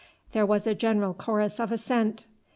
There was a general chorus of assent.